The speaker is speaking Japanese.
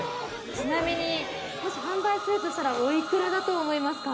ちなみにもし販売するとしたらおいくらだと思いますか？